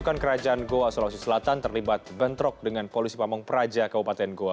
pasukan kerajaan goa sulawesi selatan terlibat bentrok dengan polisi pamong peraja kabupaten goa